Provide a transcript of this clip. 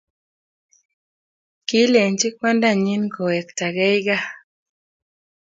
Kilenchi kwandanyin kowektagei gaa.